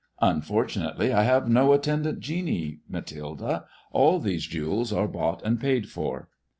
"Unfortunately, I have no attendant genie, Mathilde. All these jewels are bought and paid for.''